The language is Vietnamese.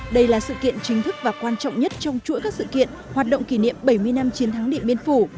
đây là sự kiện chính thức và quan trọng nhất trong chuỗi các sự kiện hoạt động kỷ niệm bảy mươi năm chiến thắng điện biên phủ